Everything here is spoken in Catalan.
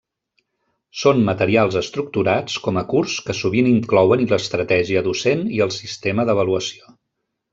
Són materials estructurats com a curs que sovint inclouen l'estratègia docent i el sistema d'avaluació.